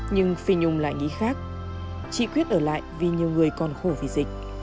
nhưng phi nhung lại nghĩ khác chị quyết ở lại vì nhiều người còn khổ vì dịch